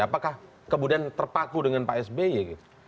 apakah kemudian terpaku dengan pak sby gitu